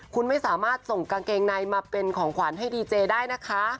คุณไม่สามารถส่งกางเกงในมาเป็นของขวัญให้ดีเจได้นะคะ